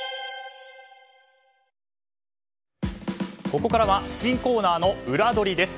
ここからは新コーナーのウラどりです。